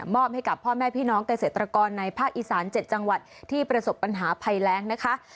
ให้กับพ่อแม่พี่น้องเกษตรกรในภาคอีสาน๗จังหวัดที่ประสบปัญหาภัยแรงนะคะ